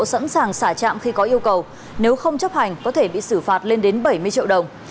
sẵn sàng xả trạm khi có yêu cầu nếu không chấp hành có thể bị xử phạt lên đến bảy mươi triệu đồng